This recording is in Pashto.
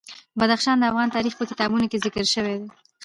بدخشان د افغان تاریخ په کتابونو کې ذکر شوی دي.